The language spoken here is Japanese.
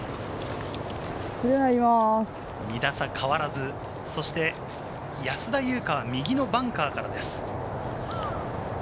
２打差変わらず、安田祐香は右のバンカーからです。